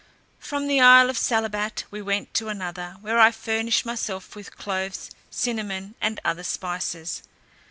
From the isle of Salabat, we went to another, where I furnished myself with cloves, cinnamon, and other spices.